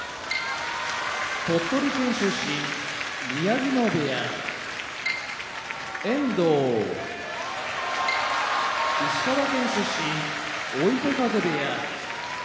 鳥取県出身宮城野部屋遠藤石川県出身追手風部屋